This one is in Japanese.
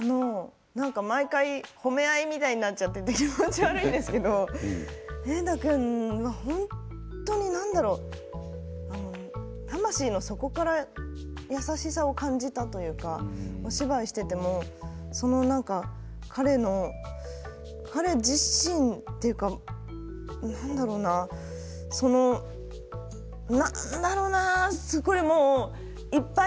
毎回、褒め合いみたいになって気持ち悪いんですけれど瑛太君は本当に、何だろう魂の底から優しさを感じたというかお芝居をしていても彼自身というか、何だろうな何だろうないっぱい